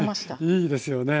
いいですよね。